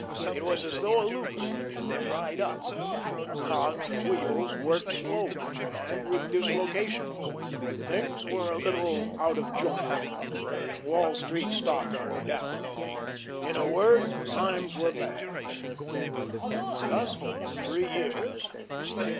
It was as though a lubricant had dried up. The cogs and wheels worked slowly and with dislocations. Things were a little out of joint. Wall Street stocks were down. In a word, "times were bad." Thus for three years.